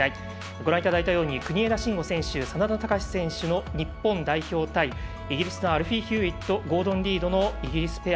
ご覧いただいたように国枝慎吾選手、眞田卓選手の日本代表対、イギリスのアルフィー・ヒューウェットゴードン・リードのイギリスペア。